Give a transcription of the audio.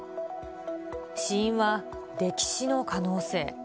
死因は、溺死の可能性。